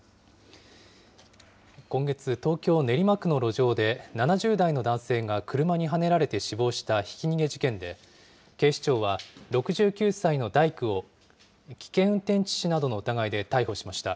今月、東京・練馬区の路上で７０代の男性が車にはねられて死亡したひき逃げ事件で、警視庁は６９歳の大工を危険運転致死などの疑いで逮捕しました。